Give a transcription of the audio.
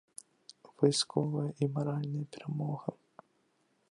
Вайсковая і маральная перамога.